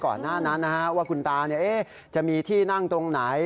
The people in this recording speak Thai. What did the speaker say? ก่อนหน้านั้นว่าคุณตาจะมีที่นั่งตรงไหน